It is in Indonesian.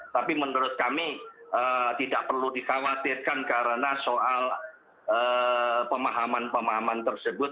tapi menurut kami tidak perlu dikhawatirkan karena soal pemahaman pemahaman tersebut